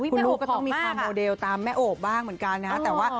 คุณลูกก็ต้องมีความโมเดลตามแม่โอบบ้างเหมือนกันนะแต่ว่า